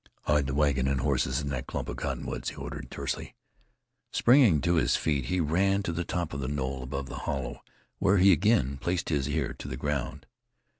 "Hide the wagon and horses in the clump of cottonwoods," he ordered, tersely. Springing to his feet, he ran to the top of the knoll above the hollow, where he again placed his ear to the ground.